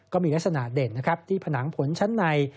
ก็มีลักษณะเด่นนะครับที่ผนังผลชั้นใน